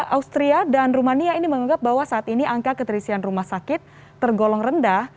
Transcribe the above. austria dan rumania ini menganggap bahwa saat ini angka keterisian rumah sakit tergolong rendah